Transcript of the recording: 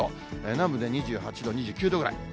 南部で２８度、２９度ぐらい。